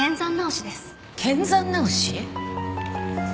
剣山直し？